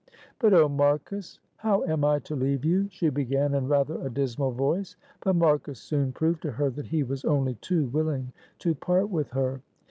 "But oh, Marcus! how am I to leave you?" she began in rather a dismal voice. But Marcus soon proved to her that he was only too willing to part with her.